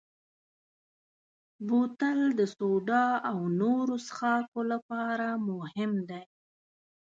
بوتل د سوډا او نورو څښاکو لپاره مهم دی.